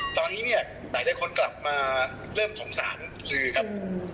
ตอนนี้เนี่ยหลายคนกลับมาเริ่มสงสารลือครับ